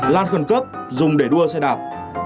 làn khẩn cấp dùng để đua xe đạp